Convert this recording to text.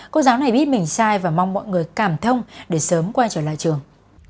cô giáo này biết mình sai và mong mọi người cảm thông để sớm quay trở lại trường